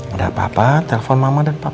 gak apa apa telepon mama dan papa ya